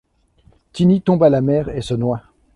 Tiny tombe à la mer et se noie.